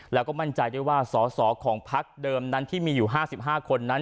แล้วก็มั่นใจได้ว่าสอสอของพักเดิมนั้นที่มีอยู่๕๕คนนั้น